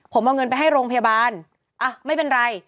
ผมเอาเงินไปให้โรงพยาบาลอ่ะไม่เป็นไร